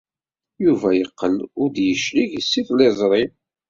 Yuba yeqqel ur d-yeclig seg tliẓri.